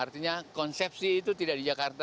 artinya konsepsi itu tidak di jakarta